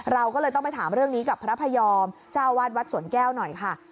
เราก็เลยต้องไปถามเรื่องนี้กับพระพยอมเจ้าวาดวัดสวนแก้วหน่อยค่ะ